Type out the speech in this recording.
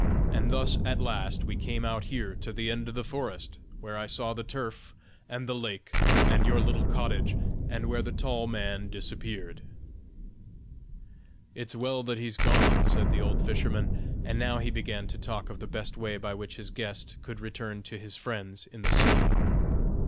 And thus at last we came out here to the end of the forest, where I saw the turf, and the lake, and your little cottage, and where the tall white man disappeared." "It's well that he's gone," said the old fisherman; and now he began to talk of the best way by which his guest could return to his friends in the city.